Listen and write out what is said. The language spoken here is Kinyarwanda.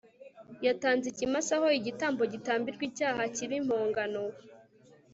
yatanze ikimasa ho igitambo gitambirwa ibyaha kibe impongano